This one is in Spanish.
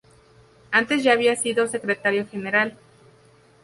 Antes ya había sido secretario general.